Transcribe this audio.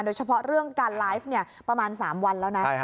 โดยเฉพาะเรื่องการไลฟ์ประมาณ๓วันแล้วนะ